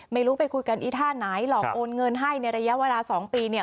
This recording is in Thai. ไม่รู้ไปคุยกันอีท่าไหนหลอกโอนเงินให้ในระยะเวลา๒ปีเนี่ย